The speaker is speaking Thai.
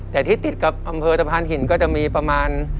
แต่ที่ติดกับอำเภอตะพานหินก็จะมีประมาณ